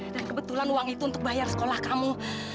dan kebetulan uang itu untuk bayar sekolah kamu